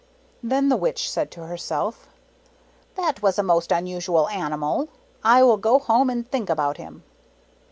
Then the Witch said to herself, "That was a most unusual animal. I will go home and think about him."